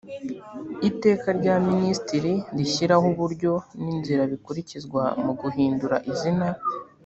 iteka rya minisitiri rishyiraho uburyo n inzira bikurikizwa mu guhindura izina